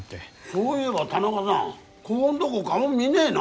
そういえば田中さんこごんどご顔見ねえな。